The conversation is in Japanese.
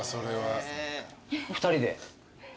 ２人で？